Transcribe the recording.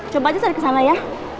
coba aja saya kesana ya